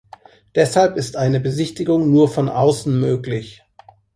Deshalb ist eine Besichtigung nur von außen möglich.